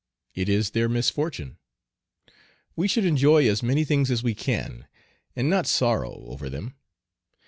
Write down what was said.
It is their misfortune. We should enjoy as many things as we can, and not sorrow over them.